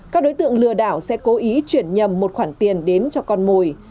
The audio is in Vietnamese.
các đối tượng lừa đảo sẽ cố ý chuyển nhầm một khoản tiền đến cho con mồi